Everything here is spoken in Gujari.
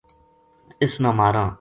اِس نا ماراں